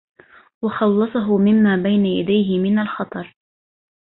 وَخَلَّصَهُ مِمَّا بَيْنَ يَدَيْهِ مِنْ الْخَطَرِ